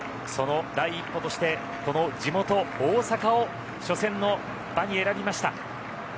その第一歩としてこの地元・大阪を初戦の場に選びました。